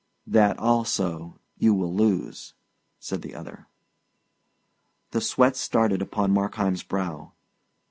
"That also you will lose," said the other. The sweat started upon Markheim's brow.